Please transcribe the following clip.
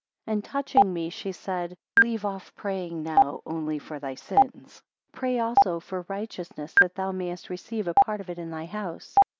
10 And touching me, she said; Leave off praying now only for thy sins; pray also for righteousness, that thou mayest receive a part of it in thy house.